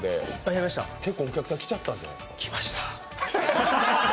結構、お客さん、来ちゃったのでは？